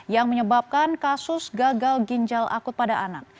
yang menyebabkan kasus gagal ginjal akut pada anak